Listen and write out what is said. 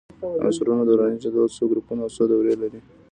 د عنصرونو دوراني جدول څو ګروپونه او څو دورې لري؟